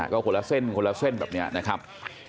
ก็คนละเส้นคนละเส้นแบบนี้นะครับ